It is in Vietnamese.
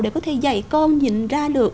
để có thể dạy con nhìn ra được